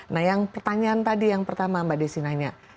nah yang pertanyaan tadi yang pertama mbak desi nanya